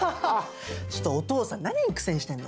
ちょっとお父さん何に苦戦してんの？